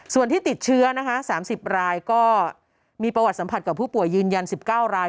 ส่วนที่ติดเชื้อนะคะ๓๐รายก็มีประวัติสัมผัสกับผู้ป่วยยืนยัน๑๙ราย